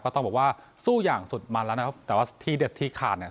ต้องบอกว่าสู้อย่างสุดมันแล้วนะครับแต่ว่าที่เด็ดที่ขาดเนี่ย